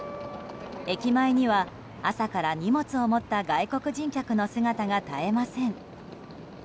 駅前には、朝から荷物を持った外国人客の姿が絶えません。